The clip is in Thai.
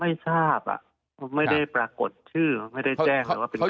ไม่ทราบอ่ะไม่ได้ปรากฏชื่อไม่ได้แจ้งเลยว่าเป็นใคร